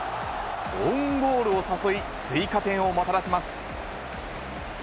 オウンゴールを誘い、追加点をもたらします。